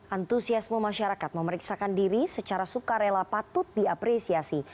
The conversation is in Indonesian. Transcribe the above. antusiasme masyarakat memeriksakan diri secara sukarela patut diapresiasi